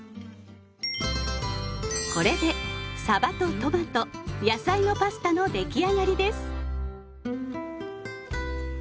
これで「さばとトマト、野菜のパスタ」の出来上がりです！